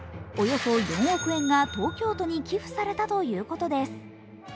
およそ４億円が東京都に寄付されたということです。